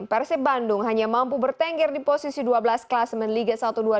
persib bandung hanya mampu bertengger di posisi dua belas klasemen liga satu dua ribu dua puluh